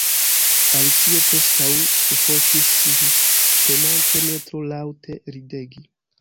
Alicio preskaŭ sufokis sin, penante ne tro laŭte ridegi.